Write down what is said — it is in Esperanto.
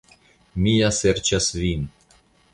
Mi ja serĉas vin.